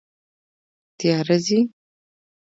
تیاره ځي